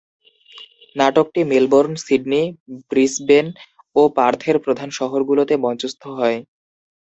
নাটকটি Melbourne, Sydney, Brisbane ও পার্থের প্রধান শহরগুলোতে মঞ্চস্থ হয়।